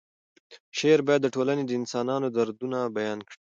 شعر باید د ټولنې د انسانانو دردونه بیان کړي.